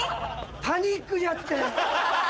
パニックじゃって。